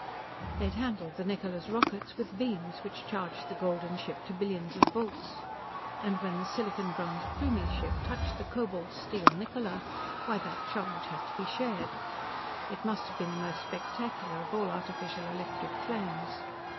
They'd handled the Niccola's rockets with beams which charged the golden ship to billions of volts. And when the silicon bronze Plumie ship touched the cobalt steel Niccola why that charge had to be shared. It must have been the most spectacular of all artificial electric flames.